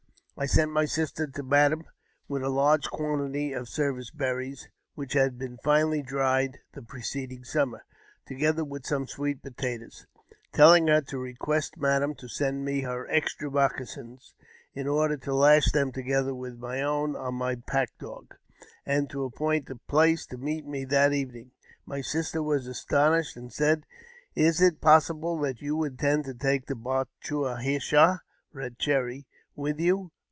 I sent my sister to madam with a large quantity of service berries, which had been finely dried the preceding summer, together with some sweet potatoes , telling her to request madam to send me her extra moccasins, in order to lash them together with my own on my pack dog, and to appoint a place to meet me that evening. My sister is 206 AUTOBIOGBAPHY OF 1 was astonished, and said, "Is it possible that you intend take Ba chua hish a (Eed Cherry) with you?